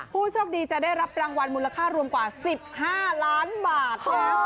ผู้โชคดีจะได้รับรางวัลมูลค่ารวมกว่า๑๕ล้านบาทนะครับ